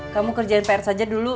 kamu kerjain pr saja dulu